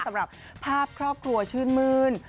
สำหรับภาพครอบครัวชื่นมื้น